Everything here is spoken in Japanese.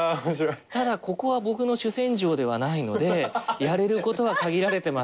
ただここは僕の主戦場ではないのでやれることは限られてますけれどみたいな。